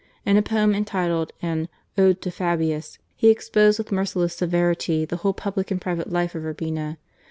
In a poem entitled an "Ode to Fabius," he exposed with merciless severity the whole public and private life of Urbina.